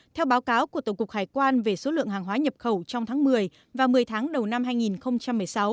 theo báo cáo của tổng cục hải quan về số lượng hàng hóa nhập khẩu trong tháng một mươi và một mươi tháng đầu năm hai nghìn một mươi sáu